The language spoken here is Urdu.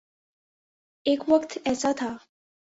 ایک وقت ایسا تھا۔